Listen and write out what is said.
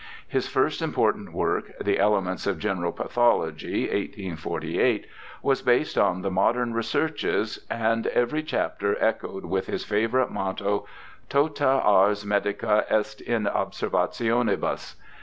His first important work. The Elements of General Pathology, 1848, was based on the modern researches, and every chapter echoed with his favourite motto, ' Tota ars medica est in observationi bus.'